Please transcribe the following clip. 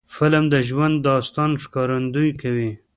فلم د ژوند د داستان ښکارندویي کوي